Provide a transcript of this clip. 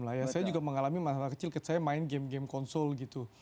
lah ya saya juga mengalami masalah kecil saya main game game konsol gitu